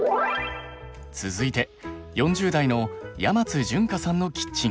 続いて４０代の山津潤香さんのキッチン。